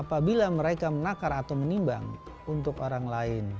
dan apabila mereka menakar atau menimbang untuk orang lain